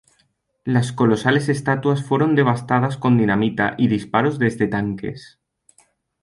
Las colosales estatuas fueron devastadas con dinamita y disparos desde tanques.